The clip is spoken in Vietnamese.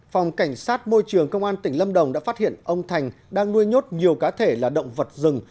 phòng cảnh sát môi trường công an tỉnh lâm đồng đã phát hiện ông thành đang nuôi nhốt nhiều cá thể là động vật rừng